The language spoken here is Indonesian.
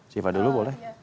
sifat dulu boleh